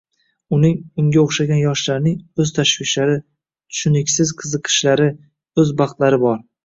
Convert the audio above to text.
Uning, unga oʻxshagan yoshlarning oʻz tashvishlari, tushuniksiz qiziqishlari, oʻz baxtlari bor.